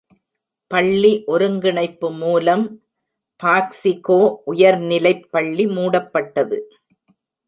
பள்ளி ஒருங்கிணைப்பு மூலம் பாக்ஸிகோ உயர்நிலைப்பள்ளி மூடப்பட்டது.